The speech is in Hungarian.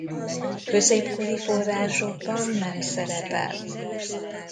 Középkori forrásokban nem szerepel.